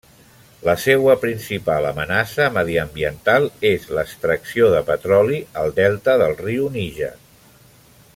La seua principal amenaça mediambiental és l'extracció de petroli al delta del riu Níger.